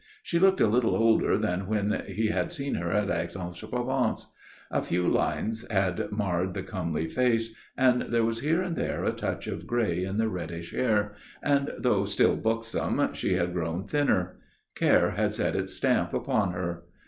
She looked a little older than when he had seen her at Aix en Provence. A few lines had marred the comely face and there was here and there a touch of grey in the reddish hair, and, though still buxom, she had grown thinner. Care had set its stamp upon her.